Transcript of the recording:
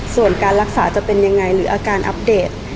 ส่วนการรักษาจะเป็นยังไงหรืออาการอัปเดต